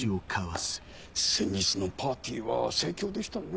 先日のパーティーは盛況でしたね。